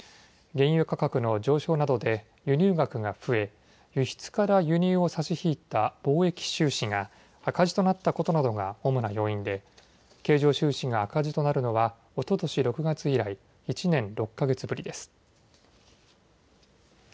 原油価格の上昇などで輸入額が増え輸出から輸入を差し引いた貿易収支が赤字となったことなどが主な要因で経常収支が赤字となるのはおととし６月以来、１年６か月ぶりです。